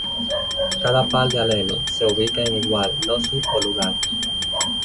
Cada par de alelo se ubica en igual loci o lugar.